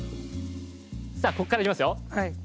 さあここからいきますよ。